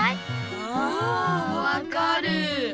あわかる！